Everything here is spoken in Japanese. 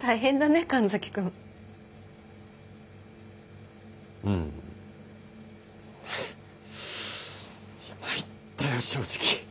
大変だね神崎君。うん。いや参ったよ正直。